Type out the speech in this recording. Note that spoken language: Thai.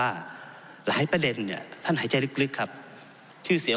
กับยังไม่ทันเกษียณก็ไปนั่งกินข้าวผัดกับน้ำส้มโอเลี้ยง